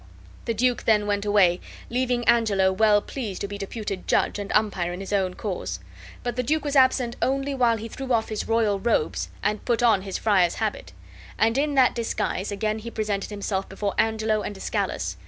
The duke then went away, leaving Angelo well pleased to be deputed judge and umpire in his own cause. But the duke was absent only while he threw off his royal robes and put on his friar's habit; and in that disguise again he presented himself before Angelo and Escalus.